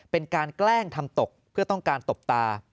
เป็นการแกล้งทำตกเพื่อต้องการตกตา